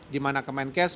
di mana kemenkes menilai